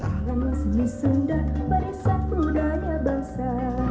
dalam seni senda penesan budaya bangsa